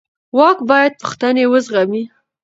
واک باید پوښتنې وزغمي